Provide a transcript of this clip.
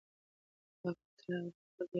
دا کور تر هغه بل کور ډېر زوړ دی.